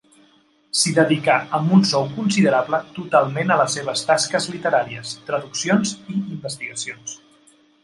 S'hi dedicà, amb un sou considerable, totalment a les seves tasques literàries: traduccions i investigacions.